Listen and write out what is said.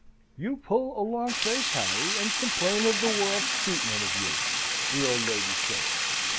"You pull a long face, Harry, and complain of the world's treatment of you," the old lady said.